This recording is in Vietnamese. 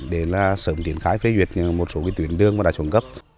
được tiến khai phê duyệt một số tuyến đường và đã xuống cấp